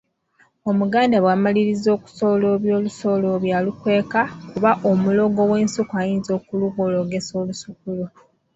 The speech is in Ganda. Omuganda bw'amaliriza okusolobya olusolobyo alukweka kuba omulogo w'ensuku ayinza okululogesa olusuku lwo.